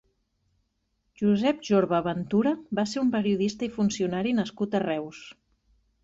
Josep Jorba Ventura va ser un periodista i funcionari nascut a Reus.